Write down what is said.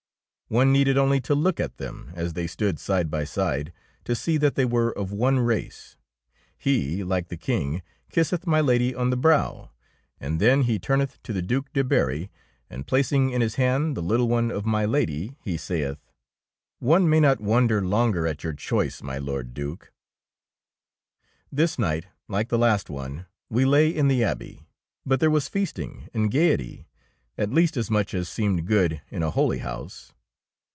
One needed only to look at them as they stood side by side, to see that they were of one race. He, like the King, kisseth my Lady on the brow, and then he tumeth to the Due de Berry, and 36 THE KOBE OF THE DUCHESS placing in his hand the little one of my Lady, he saith, —" One may not wonder longer at your choice, my Lord Duc/^ This night, like the last one, we lay in the Abbey, but there was feasting and gaiety, at least as much as seemed good in a holy house.